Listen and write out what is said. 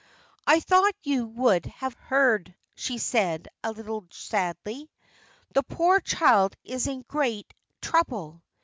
"I thought you would have heard," she said, a little sadly. "The poor child is in great trouble."